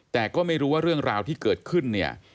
แต่ก็ไม่รู้ว่าเรื่องราวที่เกิดขึ้นเนี่ย